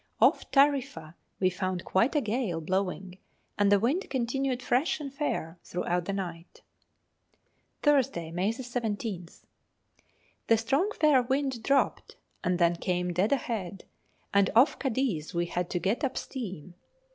Off Tarifa we found quite a gale blowing, and the wind continued fresh and fair throughout the night. Thursday, May 17th. The strong fair wind dropped, and then came dead ahead, and off Cadiz we had to get up steam.